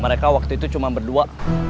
mereka waktu itu cuma berdua